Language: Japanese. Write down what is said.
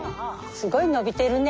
すごい伸びてるね。